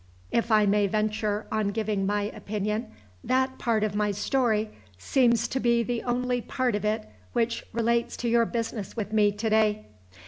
"If I may venture on giving my opinion, that part of my story seems to be the only part of it which relates to your business with me to day."